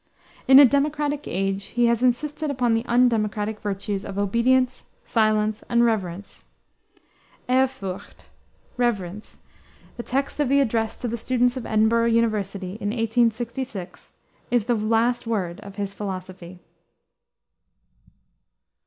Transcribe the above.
In a democratic age he has insisted upon the undemocratic virtues of obedience, silence, and reverence. Ehrfurcht reverence the text of his address to the students of Edinburgh University, in 1866, is the last word of his philosophy.